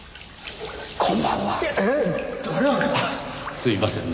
すいませんね